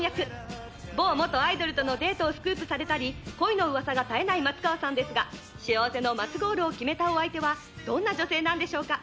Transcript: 「某元アイドルとのデートをスクープされたり恋の噂が絶えない松川さんですが幸せの松ゴールを決めたお相手はどんな女性なんでしょうか？